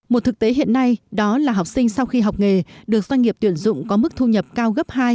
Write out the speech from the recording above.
một thực tế hiện nay đó là học sinh sau khi học nghề được doanh nghiệp tuyển dụng có mức thu nhập cao gấp hai